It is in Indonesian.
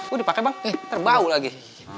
oh dipake bang terbau lagi